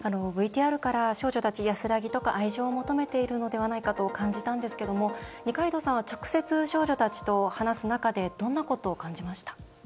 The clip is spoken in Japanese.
ＶＴＲから、少女たち安らぎとか愛情を求めているのではないかと感じたんですけども二階堂さんは、直接少女たちと話す中でどんなことを感じました？